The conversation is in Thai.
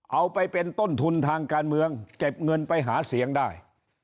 เอาไปเป็นต้นทุนทางการเมืองเก็บเงินไปหาเสียงได้